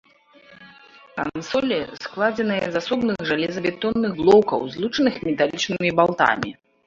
Кансолі складзеныя з асобных жалезабетонных блокаў, злучаных металічнымі балтамі.